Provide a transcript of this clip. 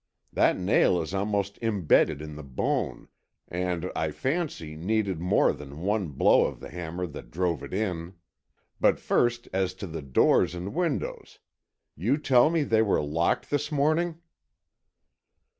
That nail is almost imbedded in the bone, and, I fancy, needed more than one blow of the hammer that drove it in. But first, as to the doors and windows. You tell me they were locked this morning?"